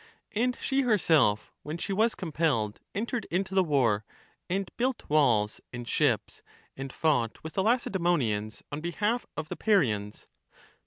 And she herself, when she was com pelled, entered into the war, and built walls and ships, and fought with the Lacedaemonians on behalf of the Parians.